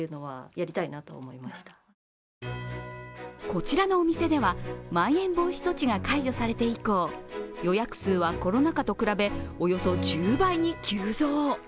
こちらのお店では、まん延防止措置が解除されて以降、予約数はコロナ禍と比べおよそ１０倍に急増。